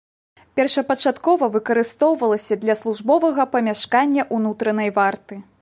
Першапачаткова выкарыстоўвалася для службовага памяшкання ўнутранай варты.